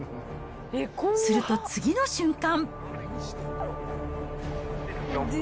すると次の瞬間。